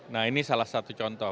nah ini salah satu contoh